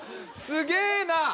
すげえな！